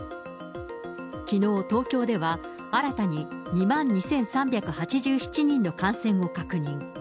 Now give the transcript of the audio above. きのう、東京では新たに２万２３８７人の感染を確認。